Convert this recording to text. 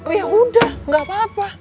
ya udah gapapa